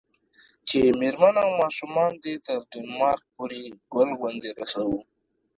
چې میرمن او ماشومان دې تر ډنمارک پورې ګل غوندې رسوو.